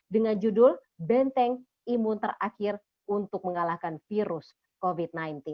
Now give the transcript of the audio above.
dengan judul benteng imun terakhir untuk mengalahkan virus covid sembilan belas